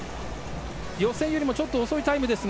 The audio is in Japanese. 予選よりちょっと遅いタイムですが